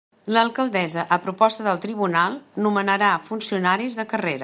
L'Alcaldessa, a proposta del Tribunal, nomenarà funcionaris de carrera.